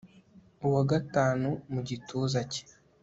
Uwa gatanu mu gituza cye